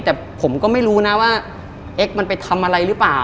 แต่ผมก็ไม่รู้นะว่าเอ็กซมันไปทำอะไรหรือเปล่า